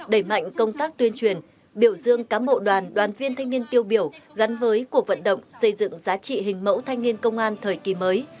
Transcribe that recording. đẩy mạnh công tác tuyên truyền biểu dương cám bộ đoàn đoàn viên thanh niên tiêu biểu gắn với cuộc vận động xây dựng giá trị hình mẫu thanh niên công an thời kỳ mới